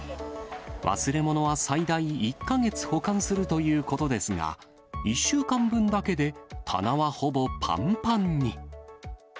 忘れ物は最大１か月保管するということですが、１週間分だけで棚はほぼぱんぱんに。